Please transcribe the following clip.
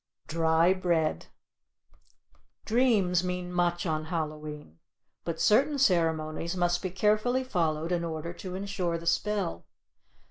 DRY BREAD Dreams mean much on Hallow e'en, but certain ceremonies must be carefully followed in order to insure the spell.